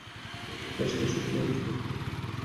আমার পাশেই বসে ছিল একজন ভদ্রলোক, যিনি বসে বসে চিপস খাচ্ছিলেন।